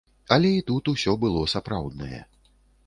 Але і тут усё было сапраўднае.